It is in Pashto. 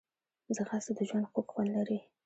ځغاسته د ژوند خوږ خوند لري